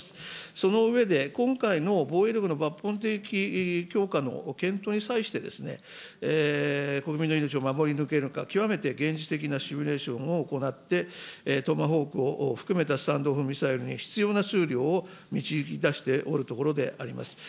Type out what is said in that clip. その上で、今回の防衛力の抜本的強化の検討に際して、国民の命を守り抜けるのか、極めて現実的なシミュレーションを行って、トマホークを含めたスタンド・オフ・ミサイルに必要な数量を導き出しているところであります。